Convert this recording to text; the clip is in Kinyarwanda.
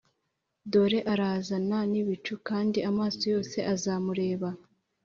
Dore arazana n’ibicu kandi amaso yose azamureba,